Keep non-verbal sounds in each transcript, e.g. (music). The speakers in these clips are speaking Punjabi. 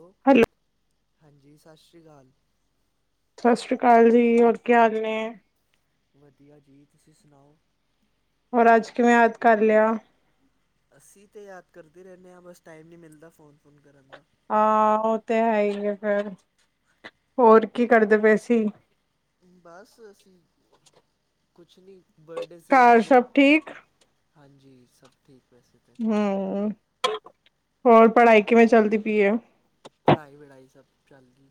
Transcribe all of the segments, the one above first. ਹੈਲੋ, ਹਾਂਜੀ। ਸਤਿ ਸ੍ਰੀ ਅਕਾਲ। ਸਤਿ ਸ੍ਰੀ ਅਕਾਲ ਜੀ, ਹੋਰ ਕੀ ਹਾਲ ਨੇ। ਵਧੀਆ ਜੀ, ਤੁਸੀਂ ਸੁਣਾਓ। ਹੋਰ, ਅੱਜ ਕਿਵੇਂ ਯਾਦ ਕਰ ਲਿਆ। ਅਸੀਂ ਤੇ ਯਾਦ ਕਰਦੇ ਰਹਿੰਦੇ ਹਾਂ, ਬਸ ਟਾਈਮ ਨੀ ਮਿਲਦਾ ਫੋਨ - ਹਾਂ, ਉਹ ਤੇ ਹੈ ਹੀ ਆ। ਫੇਰ ਹੋਰ ਕੀ ਕਰਦੇ ਪਏ ਸੀ। ਬਸ, ਅਸੀਂ ਕੁਛ ਨੀ। ਘਰ ਸ਼ਭ ਠੀਕ। ਹਾਂਜੀ ਸਭ ਠੀਕ। ਵੈਸੇ ਤਾਂ ਹੂੰ। ਹੋਰ, ਪੜਾਈ ਕਿਵੇੈਂ ਚਲਦੀ ਪਈ ਹੈ। ਪੜਾਈ -ਵੜਾਈ ਸਭ ਚੱਲਦੀ।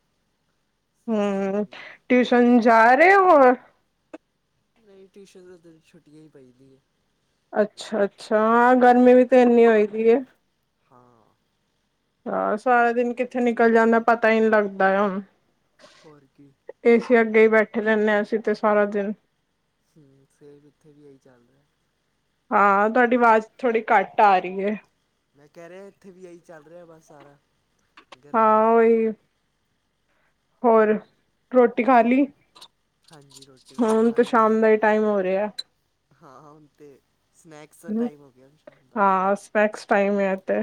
ਹੂੰ, ਟਿਊਸ਼ਨ- ਜਾ ਰਹੇ ਹੋਣ। ਨਹੀਂ ਟਿਊਸ਼ਨ ਤਾਂ ਉ ਦਿਨ ਛੁੱਟੀਆਂ ਹੀ ਪੈਂਦੀਆਂ। ਅੱਛਾ- ਅੱਛਾ ਹਾਂ ਗਰਮੀ ਵੀ ਤੇ ਇੰਨੀ ਹੋਈ ਪਈ ਹੈ। ਹਾਂ। ਆਹ ਸਾਰਾ ਦਿਨ ਕਿੱਥੇ ਨਿਕਲ ਜਾਂਦਾ ਪਤਾ ਹੀ ਨਹੀਂ ਲੱਗਦਾ ਹੁਣ। ਹੋਰ ਕੀ। ਏਸੀ ਅੱਗੇ ਹੀ ਬੈਠੇ ਰਹਿਨੇ ਆ ਅਸੀਂ ਤੇ ਸਾਰਾ ਦਿਨ। ਹੂੰ, ਫੇਰ ਇੱਥੇ ਵੀ ਇਹੀ ਚੱਲ ਰਿਹਾ। ਹਾਂ ਤੁਹਾਡੀ ਆਵਾਜ਼ ਥੋੜੀ ਘੱਟ ਆ ਰਹੀ ਹੈ। ਮੈਂ ਕਹਿ ਰਿਹਾ ਇੱਥੇ ਵੀ ਇਹੀ ਚੱਲ ਰਿਹਾ ਬਸ ਸਾਰਾ। ਗਰਮੀ ਹਾਂ, ਉਹੀ। ਹੋਰ, ਰੋਟੀ ਖਾ ਲਈ। ਹਾਂਜੀ ਰੋਟੀ ਰੋਟੀ ਹੁਣ ਖਾ ਤ ਲਈ ਸ਼ਾਮ ਅਸੀਂ ਦਾ ਹੀ ਟਾਈਮ ਹੋ ਰਿਹਾ। ਹਾਂ- ਹਾਂ, ਹੁਣ ਤੇ। ਸਨੈਕਸ ਦਾ ਟਾਈਮ ਹੋ ਗਿਆ ਸ਼ਾਮ ਦਾ। ਹਾਂ ਸਨੈਕਸ ਟਾਈਮ ਹੇ ਤੇ।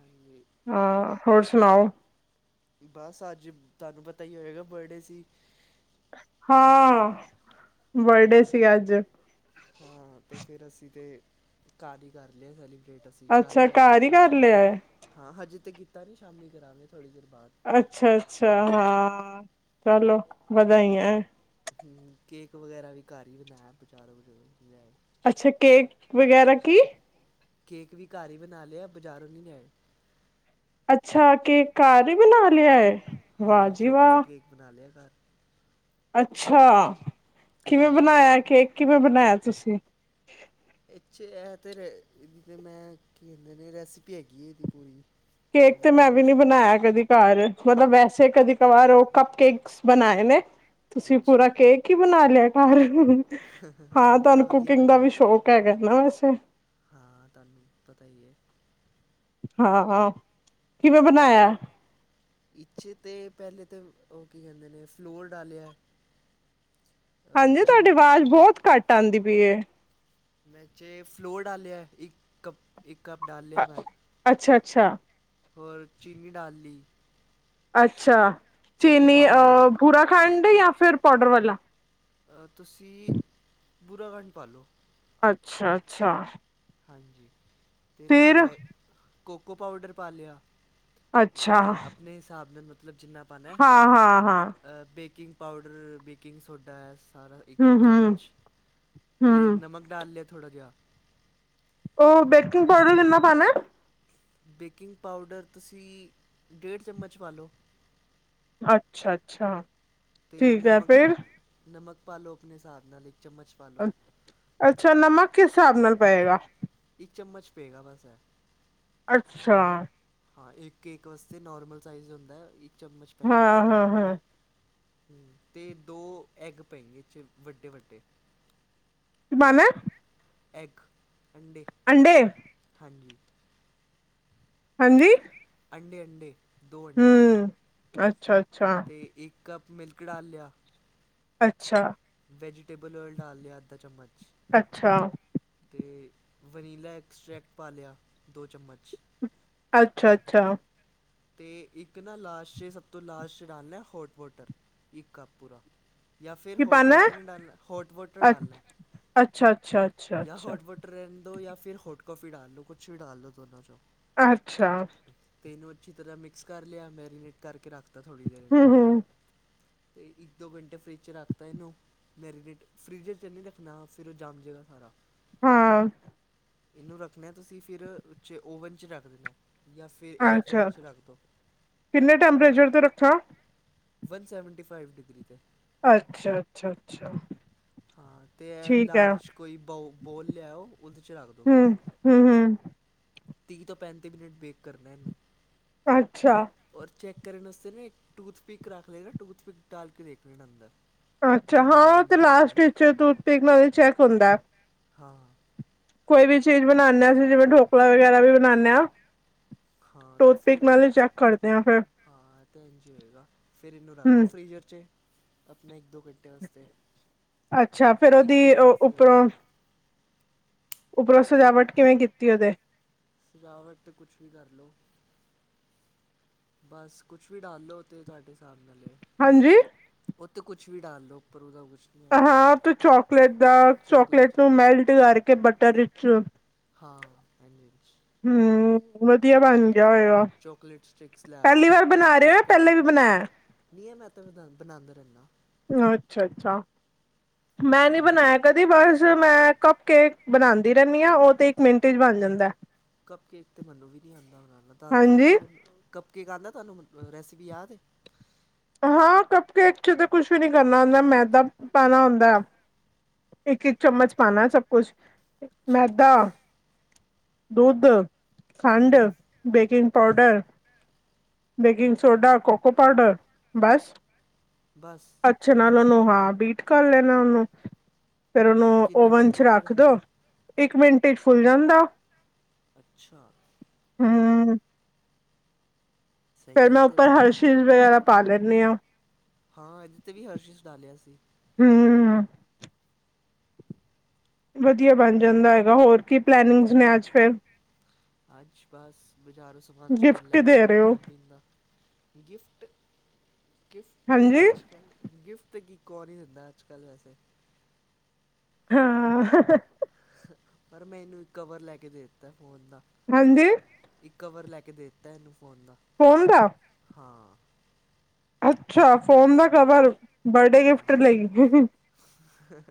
ਹਾਂਜੀ ਹਾਂ ਹੋਰ ਸੁਣਾਓ ਬਸ ਅੱਜ ਤੁਹਾਨੂੰ ਪਤਾ ਹੀ ਹੋਏਗਾ ਬਰਡੇ ਸੀ ਹਾਂ ਬਰਡੇ ਸੀਗਾ ਅੱਜ ਫੇਰ ਅਸੀਂ ਤੇ ਘਰ ਹੀ ਕਰ ਲਿਆ ਸੈਲੀ ਟ ਅਸੀਂ ਘਰ ਹੀ ਅੱਛਾ ਕਰਾਂਗੇ ਕਰ ਸ਼ਾਮੀ ਲਿਆ ਹੈ ਹਾਂ ਹਜ ਤੇ ਕੀਤਾ ਨੀ ਸ਼ਾਮੀ ਕਰਾਂਗੇ ਥੋੜ੍ਹੀ ਦੇਰ ਬਾਅਦ ਅੱਛਾ ਅੱਛਾ ਹਾਂ ਚਲੋ ਵਧਾਈ ਐਂ ਹੂੰ ਕੇਕ ਵਗੈਰਾ ਵੀ ਘਰ ਹੀ ਬਣਾਇਆ ਵਿਚਾਰੋਂ ਬੋਂ ਅੱਛਾ ਕੇਕ ਵਗੈਰਾ ਕੀ ਕੇਕ ਵੀ ਘਰ ਹੀ ਬਣਾ ਲਿਆ ਬਜ਼ਾਰੋਂ ਨੀ ਲੈਣ ਅੱਛਾ ਕੇ ਘਰ ਹੀ ਬਣਾ ਲਿਆ ਏ ਹਾਂ ਚੋਕਲੇਟ ਕੇਕ ਬਣਾ ਲਿਆ ਘਰ ਅੱਛਾ ਕਿਵੇਂ ਹਾਂ ਬਣਾਇਆ ਕੇਕ ਕਿਵੇਂ ਬਣਾਇਆ ਤੁਸੀਂ ਇੱਛੇ ਤੇ ਇਹਦੀ ਤੇ ਮੈਂ ਕੀ ਕਹਿੰਦੇ ਨੇ ਰੈਸਪੀ ਹੈਗੀ ਹੈ ਇਹਦੀ ਪੂਰੀ। ਕੇਕ ਤੇ ਮੈਂ ਵੱਡੀ ਵੀ ਨੀ ਰੈਸੀ ਬਣਾਇਆ ਕਦੀ ਘਰ ਮਤਲਬ ਵੈਸੇ ਕਦੇ ਕ ਵਾਰ ਉਹ ਕੱਪ ਕੇਕਸ ਬਣਾਏ ਨੇ ਤੁਸੀਂ ਅੱਛਾ ਪੂਰਾ ਕੇਕ ਹੀ ਬਣਾ ਲਿਆ। ਪਰ। ਇਹ ਹਾਂ ਤਾਂ ਬੜਾ ਤੁਹਾਨੂੰ ਵਧੀਆ ਕੁਕਿੰਗ ਦਾ ਬਣਿਆ ਵੀ ਸ਼ੌਕ ਹੈਗਾ ਨਾ ਵੈਸੇ। ਹਾਂ ਤੁਹਾਨੂੰ ਪਤਾ ਹੀ ਹੈ ਹਾਂ ਕਿਵੇਂ ਬਣਾਇਆ? ਇੱ (inaudible) ਤਾਂ ਪਹਿਲੇ ਤਾਂ ਉਹ ਕੀ ਕਹਿੰਦੇ ਨੇ ਫਲੋਰ ਡਾਲਿਆ। ਅ, ਹਾਂਜੀ ਤੁਹਾਡੀ ਚੀਨੀ ਆਵਾਜ਼ ਬਹੁਤ ਘੱਟ ਆਉਂਦੀ ਪਈਏ। ਮੈ ਚ ਫਲੋਰ ਡਾਲਆ ਇੱਕ ਕਪ ਇੱਕ ਕਪ ਡਾਲਿਆ ਮੈਂ। ਅੱਛਾ ਅੱਛਾ। ਹੋਔਰ ਚੀਨੀ ਡਾਲ ਲਈ ਅੱਛਾ। ਕੋਕੋ ਚੀਨੀ ਪਾਊਡਰ ਅ ਬੁਰਾਖੰਡ ਜਾਂ ਫੇਰ ਪਾਡਰ ਵਾਲਾ ਅ। ਤੁਸੀਂ ਬੁਰਾਖੰਡ ਪਾਲੋ। ਅੱਛਾ ਅੱਛਾ। ਹਾਂਜੀ। ਤੇ ਫਿਰ ਨਾਲੇ ਕੋਕੋ ਪਾਊਡਰ ਪਾ ਲਿਆ। ਅੱਛਾ ਆਪਣੇ ਹਿਸਾਬ ਦੇ ਮਤਲਬ ਮਤਲਬ ਜਿੰਨਾ ਪਾਾਨ ਹਾਂ ਹਾਂ ਹਾਂ ਬੇਕਿੰਗ ਪਾਊਡਰ ਬੇਕਿੰਗ ਸੋਡਾ ਹੈ। ਸਾਰਾ ਇੱਕ ਇੱਕ ਹਮ ਹਮ ਚਮਚ ਅਤੇ ਹਮ ਨਮਕ ਡਾਲ ਲਿਆ ਥੋੜਾ ਜਿਹਾ ਉਹ ਬੇਕਿੰਗ ਪਾਊਡਰ ਕਿੰਨਾ ਪਾਣਾ ਬੇਕਿੰਗ ਪਾਊਡਰ ਤੁਸੀਂ ਡੇਢ ਚਮਚ ਪਾ ਲਓ। ਅੱਛਾ ਅੱਛਾ। ਅਤੇ ਠੀਕ ਹੈ ਨਮਕ ਫੇਰ ਨਮਕ। ਪਾ ਲੋ ਆਪਣੇ ਹਿਸਾਬ ਨਾਲ। ਚਮਚ ਪਾ ਲਓ ਅੱਛਾ ਨਮਕ ਕਿਸ ਹਿਸਾਬ ਨਾਲ ਪਏਗਾ। ਇੱਕ ਚਮਚ ਪਏਗਾ ਬਸ। ਅੱਛਾ। ਹਾਂ ਇੱਕ ਕੇਕ ਵਾਸਤੇ ਨੋਰਮਲ ਸਾਈਜ਼ ਹੁੰਦਾ। ਚਮਚ ਪੈ ਹਾਂ ਦਿੰਦਾ ਹਾਂ ਹਾਂ ਉਹ ਤੇ ਦੋ ਐਗ ਪਏ ਚ ਵੱਡੇ ਵੱਡੇ ਬਨਾ ਐਗ ਅੰਡੇ ਹਾਂਜੀ ਹਾਂਜੀ ਅਂਡੇ ਹਂਡਜੀ ਦੋ ਅੰਡੇ ਹੂੰ ਅੱਛਾ ਅੱਛਾ ਤੇ ਇੱਕ ਮਿਲਕ ਡ ਲਿਆ ਅੱਛਾ ਵੈਜੀਟੇਬਲ ਓਲ ਡਾਲ ਲਿਆੱ ਅਧਾੱ ਚਮਚ ਅੱਛਾ ਅਤੇ ਵਨੀਲਾ ਐਕਸਟ੍ਰੈਕਟ ਪਾ ਲਿਆ ਦੋ ਚਮਚ ਅੱਛਾ ਅੱਛਾ ਅਤੇ ਇੱਕ ਨਾ ਲਾਸਟ 'ਚ ਸਭ ਤੋਂ ਲਾਸਟ ਰਨ ਹੈ ਹੋਰਟ ਵੋਟਰ ਇੱਕ ਕ‌ੱਪ ਪੂਰਾ ਜਾਂ ਫਿਰ ਕੀ ਹੋਟ ਪਾਣਾ ਵਾਟਰ ਨਹੀਂ ਡਾਲਣਾ ਹੋਟ ਵਾਟਰ ਅ ਡਾਲਣਾ ਅੱਛਾ ਅੱਛਾ ਅੱਛਾ ਜਾਂ ਅੱਛਾ ਹੋਟ ਵਾਟਰ ਰਹਿ ਦੋ ਜਾਂ ਫਿਰ ਫਿਰ ਹੋਟ ਕੌਫੀ ਡਾਲ ਲ ਲੋ ਕੁਛ ਵੀ ਡਾਲ ਲੋ ਦੋ ਚੋਂ ਅੱਛਾ ਪਿੰਨ ਅੱਛੀ ਤਰ੍ਹਾਂ ਮਿਕਸ ਕਰ ਲਿਆ ਮੈਰੀਨੇਟ ਕਰਕੇ ਰੱਖ ਤਾਂ ਥੋੜ੍ਹੀ ਦੇਰ ਹੂੰ ਇਹਨੂੰ ਪਹਿਲੇ ਹੂੰ ਤੇ ਇੱਕ ਦੋ ਘੰਟੇ ਫਰਿੱਜ ਚ ਰੱਖਤਾ ਇਹਨੂੰ ਮੈਰੀਨੇਟ ਫਰਿੱਜ ਚ ਨਹੀਂ ਰੱਖਣਾ ਫਿਰ ਉਹ ਜੰਮ ਜਾਏਗਾ ਸਾਰਾ ਹਾਂ ਇਹਨੂੰ ਰੱਖਣਾ ਤੁਸੀਂ ਫਿਰ ਉੇ ਓਵਨ ਚ ਰੱਖ ਦੇਣਾ ਜਾਂ ਫਿਰ ਏਅਰ ਅੱਛਾ ਫ੍ਰੈਸ਼ ਕਿੰਨੇ ਟੈਂਪਰੇਚਰ ਤੇ ਰੱਖਾ ਵਨ ਸੈਵਨਟੀ ਫਾਈਵ ਡਿਗਰੀ 'ਤੇ ਅੱਛਾ ਅੱਛਾ ਅੱਛਾ ਹਾਂ ਤੇ ਠੀਕ ਹੈ ਲਾਰਜ ਕੋਈ ਬ ਬੋਲ ਲਿਆਓ ਉਹਦੇ ਚ ਰੱਖ ਦਿਉ ਹੂੰ ਬਸ ਹੂੰ ਹੂੰ ਤੀਹ ਤੋਂ ਪੈਂਤੀ ਮਿੰਟ ਬੇਕ ਕਰਨਾ ਇਹਨੂੰ ਅੱਛਾ ਔ- ਔਰ ਚੈੱਕ ਕਰਨ ਵਾਸਤੇ ਨਾ ਇੱਕ ਟੂਥਪਿਕ ਰੱਖ ਲ ਨਾ ਟੂਥਪਿਕ ਡਾਲ ਕੇ ਦੇਖ ਲਣਾ ਅੰਦਰ ਕਿ ਅੱਛਾ ਬਣ ਹਾਂ ਗਿਆ ਤੇ ਨਹੀਂ ਬਣ ਗਿਆ ਲਾਸਟ ਵਿਚ ਟੂਥਪਿਕ ਨਾਲ ਚੈਕ ਹੁੰਦਾ ਹਾਂ ਕੋਈ ਵੀ ਚੀਜ਼ ਬਣਾਦੇਸੀਂ ਜਿਵੇਂ ਢੋਕਲਾ ਵਗੈਰਾ ਵੀ ਬਣਾਦੇ ਹ ਹਾਂ ਤੇ ਫਿਰ ਹਾਂ ਫਿਰ ਹਾਂ ਤੇ ਇੰਝ ਹੋਏਗਾ ਫੇਰ ਇਹਨੂੰ ਰੱਖਦੋ ਹਮ ਫਰੀਜ਼ਰ ਚ ਆਪਣਾ ਇੱਕ ਦੋ। ਘੰਟੇ ਵਾਤੇ ਅੱਛਾ ਫਿਰ ਇੱਕ ਉਹਦੀ ਘੰਟੇ ਵਤੇ ਉਪਰੋਂ ਸਜਾਵਟ ਕਿਵੇਂ ਕੀਤੀ ਉਹਦੇ ਸਜਾਵਟ ਤੇ ਕੁਛ ਵੀ ਕਰਲੋ। ਬਸ ਕੁਛ ਵੀ ਡਾਲਲੋ ਤੇ ਤੁਹਾਡੇ ਹਿਸਾਬ ਨਾਲ ਲ ਹਾਂਜੀ। ਉੱਤੇ ਕੁਛ ਵੀ ਡਾਲ ਲੋੋ ਉਪਰ ਉਹਦਾ ਕੁਛ ਨਹੀਂ ਆਏਗਾ ਹਾਂ ਤੇ ਚੋਕਲੇਟ ਦਾ ਚੋਕਲੇਟਸ ਚੋਕਲੇਟ ਨੂੰ ਡਾਲ ਲਓ ਮੈਲਟ ਕਰਕੇ ਬਟਰ ਵਿੱਚ ਹਾਂ ਹਾਂਜੀਜੀ। ਹਮ ਵਧੀਆ ਬਣ ਗਿਆ ਹੋਏਗਾ ਚੋਕਲੇਟ ਸਟਿਕਸ ਲੈ ਪਹਿਲੀ ਵਾਰ ਬਣਾ ਰਹੇ ਹੋ ਜਾਂ ਕਿਟ ਪਹਿਲੇ ਵੀ ਬਣਾਇਆ ਨਹੀਂ ਮੈਂ ਤੇ ਬਣਾ। (inaudible) ਅੱਛਾ ਅੱਛਾ। ਮੈਂ ਨੀ ਹਾਂ ਬਣਾਇਆ ਕਦੀ ਬਸ ਮੈਂ ਕੱਪ ਕੇਕ ਬਣਾਉਂਦੀ ਰਹਿੰਦੀ ਹ ਉਹ ਤੇ ਇੱਕ ਮਿੰਟ ਚ ਬਣ ਜਾਂਦਾ। (inaudible) ਕੱਪ ਕੇਕ ਹਾਂਜੀ ਆਂਦਾ ਤੁਹਾਨੂੰ? ਰੈਸਪੀ ਯਾਦ ਏ ਹਾਂ ਕੱਪ ਕੇਕ ਚ ਤਾਂ ਕੁਛ ਵੀ ਨੀ ਕਰਨਾ ਹੁੰਦਾ ਮੈਦਾ ਪਾਣਾ ਹੁੰਦਾ ਇੱਕ ਇੱਕ ਚਮਚ ਪਾਉਣਾ ਸਭ ਕੁਛ। ਅੱਛਾ ਮੈਦਾ। ਦੁੱਧ। ਖੰਡ, ਹੂੰ baking powder (unintelligible) baking soda cocoa powder ਬਸ। ਬਸ। ਨੂੰ ਹਾਂ ਬੀਟ ਕਰ ਲੈਣਾ ਉਹਨੂੰ ਫੇਰ ਉਹਨੂੰ ਕਿੰਨਾ ਓਵਨ ਚ ਟੈਂਪਰੇਚਰ ਰੱਖ ਰੱਖਣਾ ਦੋ ਹੈ ਇੱਕ ਮਿੰਟ ਪੇਟ ਫੁੱਲ ਜਾਂਦਾ। ਅੱਛਾ। ਹਮ ਫੇਰ ਸਹੀ ਹੈ ਮੈਂ ਤੇ ਉੱਪਰ ਬੜਾ ਵਧੀਆ ਹਰਸ਼ੀਜ਼ ਵਗੈਰਾ ਪਾ ਲੈਂਦੀ ਹਾਂ। ਹਾਂ ਇਹਦੇ ਤੇ ਵੀ ਹਰਸ਼ੀਜ਼ ਡਾਲਿਆ ਸੀ। ਹੂੰ। ਵਧੀਆ ਬਣ ਜਾਂਦਾ ਹੈਗਾ, ਹੋਰ ਕੀ ਪਲਨਿੰਗਜ਼ ਨੇ ਅੱਜ ਫੇਰ ਅੱਜ ਬਸ ਬਜ਼ਾਰੋਂ ਸਮਾਨ ਸਮੂਨ ਗਿਫਟ ਲੈ ਕੀ ਦੇ ਆਵਾਂਗੇ ਰਹੇ ਹੋ ਖਾਣ-ਪੀਣ ਦਾ ਗਿਫਟ ਗਿਫਟ ਤਾਂ ਹਾਂਜੀ ਅੱਜ -ਕੱਲ੍ਹ ਗਿਫਟ ਕੁਰ ਹੀ ਹੁੰਦਾ ਅੱਜ- ਕੱਲ ਵੈਸੇ। ਹਾਂ। ਪਰ ਮੈਂ ਇਹਨੂੰ ਇੱਕ ਕਵਰ ਲੈ ਕੇ ਦੇ ਦਿੱਤਾ ਫੋਨ ਦਾ ਹਾਂਜੀ। ਇੱਕ ਕਵਰ ਲੈ ਕੇ ਦੇ ਦਿੱਤਾ ਇਹਨੂੰ। ਫੋਨ ਦਾ ਫੋਨ ਦਾ ਹਾਂ। ਅੱਛਾ, ਫੋਨ ਦਾ ਕਵਰ। ਬਰਡੇ ਗਿਫਟ ਲਈ। ਹ-ਹ-ਹ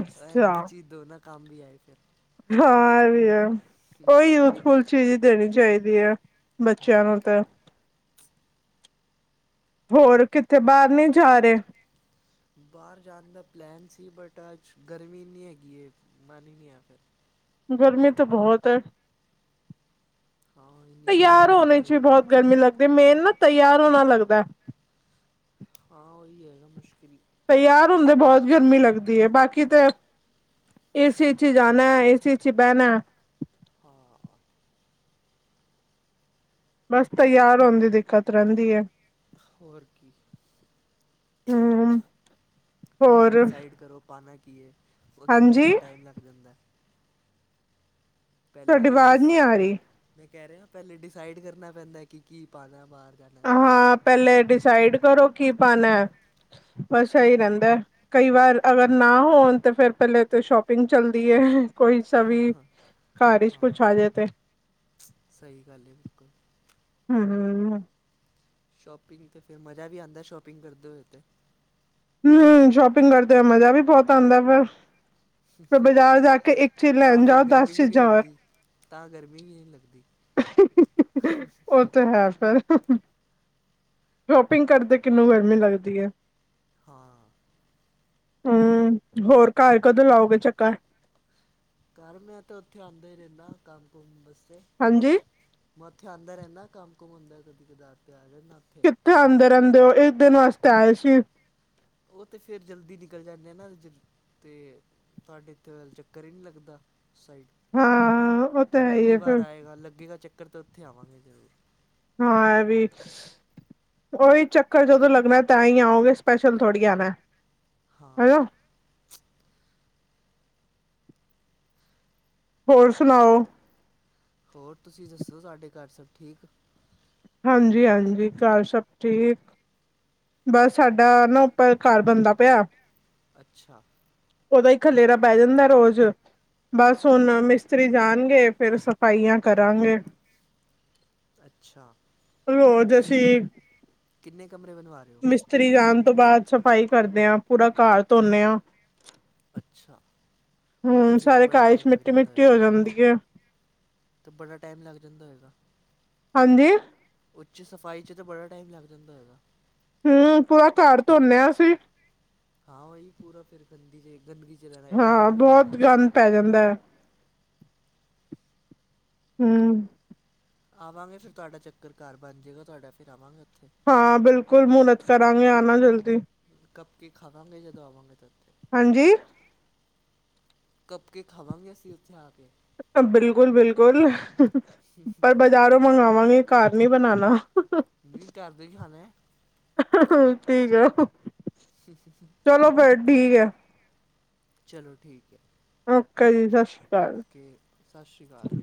ਅੱਛਿਆ। ਕੰਮ ਵੀ ਆਏ ਫਿਰ। ਹਾਂ ਇਹ ਵੀ ਆ। ਉਹ ਹੀ ਯੂਜਫੁਲ ਚੀਜ਼ ਦੇਣੀ ਚਾਹੀਦੀ ਆ। ਹਾਂ ਬੱਚਿਆਂ ਨੂੰ ਤਾਂ ਹੋਰ ਕਿੱਥੇ ਬਾਹਰ ਨਹੀਂ ਜਾ ਰਹੇ। ਬਾਹਰ ਜਾਣ ਦਾ ਪਲੈਨ ਸੀ, ਬਟ ਅੱਜ ਗਰਮੀ ਏਨੀਂ ਹੈਗੀ ਏ ਮਨ ਹੀ ਨਹੀਂ ਆ ਫੇਰ। ਗਰਮੀ ਤਾਂ ਬਹੁਤ ਹੈ। ਹਾਂ ਇੰਨੀ ਤਿਆਰ ਗਰਮੀ ਹੋਣੇ ਹੈਗੀ ਚ ਹੈ ਵੀ ਬਹੁਤ ਗਰਮੀ ਲੱਗਦੀ ਮੇਨ ਨਾ ਤਿਆਰ ਹੋਣਾ ਲੱਗਦਾ। ਹਾਂ ਉਹੀ ਹੈਗਾ ਮੁਸ਼ਕਿਲ ਹੀ ਤੇ ਯਾਰ ਹੁੰਦੇ ਬਹੁਤ ਗਰਮੀ ਲੱਗਦੀ ਹੈ, ਬਾਕੀ ਤੇ ਏ ਸੀ ਚੀ ਜਾਣਾ, ਏ ਸੀ ਵਿਚ ਹੀ ਬਹਿਣਾ ਹੈ। ਹਾਂ। ਬਸ ਤਿਆਰ ਹੋਣ ਦੀ ਦਿੱਕਤ ਰਹਿੰਦੀ ਐ। ਹੋਰ ਕੀ ਹਮ ਪਹਿਲੇ ਹੋਰ ਡਿਸਾਈਡ ਕਰੋ ਪਾਣਾ ਕੀ ਏ? ਉਹਦੇ ਚ ਹੀ ਹਾਂਜੀ ਇਨ੍ਹਾਂ ਟਾਈਮ ਲੱਗ ਜਾਂਦਾ। ਤੁਹਾਡੀ ਪਹਿਲੇ ਆਵਾਜ਼ ਡਿਸ ਨਹੀਂ ਆ ਰਹੀ। ਮੈਂ ਕਹਿ ਰਹੇ ਪਹਿਲੇ ਡਿਸਾਈਡ ਕਰਨਾ ਪੈਂਦਾ, ਕਿ ਕੀ ਪਾਉਣਾ ਬਾਹਰ। ਜਾਣਾ ਤੇ ਹਾਂ ਪਹਿਲੇ ਡਿਸਾਈਡ ਕਰੋ ਕੀ ਪਾਣਾ। ਬਸ ਇਹੀ ਰਹਿੰਦਾ ਕਈ ਵਾਰ ਅਗਰ ਨਾ ਹੋਣ, ਤੇ ਫੇਰ ਪਹਿਲੇ ਤੇ ਸ਼ੋਪਿੰਗ ਚੱਲਦੀ ਹੈ। ਕੋਈ ਸਵੀ ਘਰ ਵਿੱਚ ਕੁਛ ਹਾਂ ਆ ਜੇ ਤੇ। ਸਹੀ ਗੱਲ ਹੈ ਬਿਲਕੁਲ ਹਮ ਹਮ। ਸ਼ੋਪਿੰਗ ਤੇ ਫਿਰ ਮਜ਼ਾ ਵੀ ਆਉਂਦਾ, ਸ਼ੋਪਿੰਗ ਕਰਦੇ ਹੋਏ ਤੇ। ਹਮ ਸ਼ੋਪਿੰਗ ਕਰਦੇ ਹੋਏ ਮਜ਼ਾ ਵੀ ਬਹੁਤ ਆਉਂਦਾ ਪਰ ਫਿਰ ਬਾਜ਼ਾਰ ਜਾ ਕੇ ਇੱਕ ਚੀਜ਼ ਤਾਂ ਲੈਣ ਫਿਰ ਜਾਓ ਦਸ ਗਰਮੀ ਵੀ ਨਹੀਂ ਚੀਜ਼ਾਂ ਹੋਰ ਲੱਗਦੀ, ਤਾਂ ਗਰਮੀ ਵੀ ਨਹੀਂ ਲੱਗਦੀ। ਉਹ ਤੇ ਹੈ ਫ਼ਿਰ। ਹਮ। ਸ਼ੋਪਿੰਗ ਕਰਦੇ ਕਿਹਨੂੰ ਗਰਮੀ ਲੱਗਦੀ ਹੈ? ਹਾਂ। ਹਮ ਹੋਰ, ਘਰ ਕਦੋਂ ਲਾਓਗੇ ਚੱਕਰ। ਘਰ ਮੈਂ ਤਾਂ ਉੱਥੇ ਆਉਂਦਾ ਹੀ ਰਹਿੰਦਾ, ਕੰਮ ਕੁਮ ਬਸ। (inaudible) ਹਾਂਜੀ। ਆਉਂਦਾ ਰਹਿੰਦਾ ਕੰਮ ਕੁਮ ਹੁੰਦਾ ਕਦੀ ਕਦਾਈ। ਕਿੱਥੇ ਆਉਂਦੇ ਰਹਿੰਦੇ ਹੋ ਇਕ ਦਿਨ ਵਾਸਤੇ। ਚਾਲਸ਼। (inaudible) ਉਹ ਤੇ ਫੇਰ ਜਲਦੀ ਨਿਕਲ ਜਾਂਦੇ ਆ ਨਾ ਤੇ ਸਾਡੇ ਤੇ ਚੱਕਰ ਹੀ ਨਹੀਂ ਲੱਗਦਾ। ਸ਼ਾਇਦ ਹਾਂ ਉਹ ਤਾਂ ਹੈ ਹੀ ਅਗਲੀ ਹੈ ਫਿਰ ਵਾਰ ਆਏਗਾ ਲੱਗੇਗਾ ਚੱਕਰ। ਅਤੇ ਉੱਥੇ ਆਵਾਂਗੇ ਜਰੂਰ। ਹਾਂ ਇਹ ਵੀ ਓਹੀ ਚੱਕਰ ਜਦੋਂ ਲੱਗਣਾ ਤਾਂ ਹੀ ਆਉਗੇ ਸਪੈਸ਼ਲ ਥੋੜ੍ਹੀ ਆਣਾ। ਹਾਂ ਹੈਲੋ ਹੋਰ ਸੁਣਾਓ? ਹੋਰ ਤੁਸੀਂ ਦੱਸੋ ਸਾਡੇ ਘਰ ਸਭ ਠੀਕ? ਹਾਂਜੀ ਹਾਂਜੀ ਘਰ ਸਭ ਠੀਕ ਬਸ ਸਾਡਾ ਨਾ ਉਪਰ ਘਰ ਬਣਦਾ ਪਿਆ। ਅੱਛਾ। ਉਹਦਾ ਹੀ ਖਲੇਰਾ ਪੈ ਜਾਂਦਾ ਰੋਜ਼ ਬਸ ਹੁਣ ਮਿਸਤਰੀ ਜਾਣਗੇ ਫਿਰ ਸਫਾਈਆਂ ਕਰਾਂਗੇ। ਅੱਛਾ ਰੋਜ਼ ਕੀ ਅਸੀਂ ਕਿੰਨੇ ਕਮਰੇ ਬਣਵਾ ਰਹੇ ਹੋ। ਮਿਸਤਰੀ ਜਾਣ ਤੋਂ ਬਾਅਦ ਸਫ਼ਾਈ ਕਰਦੇ ਹਾਂ ਪੂਰਾ ਘਰ ਧੋਦੇ ਹਾਂ। ਹ। ਅੱਛਾ। ਉਹ ਤੇ ਫਿਰ ਸਾਰੇ ਬੜਾ ਘਰ ਚ ਟਾਈਮ ਲੱਗ ਮਿੱਟੀ ਜਾਂਦਾ ਮਿੱਟੀ ਹੋ ਹੋਏਗਾ ਜਾਂਦੀ ਹੈ ਤੇ ਬੜਾ ਟਾਈਮ ਲੱਗ ਜਾਂਦਾ ਹੋਏਗਾ। ਹਾਂਜੀ। ਉਸਦੀ ਸਫ਼ਾਈ ਚ ਤਾਂ ਬੜਾ ਟਾਈਮ ਲੱਗ ਜਾਂਦਾ ਹੋਏਗਾ? ਹਮ ਪੂਰਾ ਘਰ ਧੋਂਦੇ ਹਾਂ ਸੀ। ਹਾਂ ਉਹੀ ਪੂਰਾ ਫਿਰ ਗੰਦੀ ਜੇ ਹਾਂ ਬਹੁਤ ਗੰਦ ਪੈ ਜਾਂਦਾ ਹੈ। ਹਮ। ਆਵਾਂਗੇ ਫਿਰ ਤੁਹਾਡਾ ਚੱਕਰ ਘਰ ਬਣ ਜਾਏਗਾ ਤੁਹਾਡਾ ਫਿਰ ਆਵਾਂਗੇ। ਉੱਥੇ ਹਾਂ ਬਿਲਕੁਲ ਮ। ਕਰਾਂਗੇ ਆ ਨਾ ਜਲ ਕਬ ਕੇ ਖਾਵਾਂਗੇ ਜਦੋਂ ਆਵਾਂਗੇ ਤਦ ਤੇ ਹਾਂਜੀ ਕੱਪ ਕੇ ਖਾਵਾਂਗੇ ਅਸੀਂ ਉੱਥੇ ਆ ਕੇ ਬਿਲਕੁਲ ਬਿਲਕੁਲ। ਪਰ ਬਾਜ਼ਾਰੋਂ ਮੰਗਵਾਂਗੇ। ਘਰ ਨੀ ਬਣਾਉਣਾ। ਵੀ ਘਰ ਦਾ ਹੀ ਖਾਣਾ ਠੀਕ ਹੈ। ਚਲੋ ਫੇਰ (inaudible) ਠੀਕ ਆ। ਚਲੋ ਠੀਕ। ਹੈ ਓਕੇ ਜੀ ਸਤਿ ਸ੍ਰੀ ਅਕਾਲ ਓਕੇ ਸਤਿ ਸ਼੍ਰੀ ਅਕਾਲ